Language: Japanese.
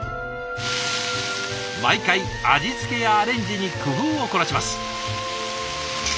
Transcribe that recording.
毎回味付けやアレンジに工夫を凝らします。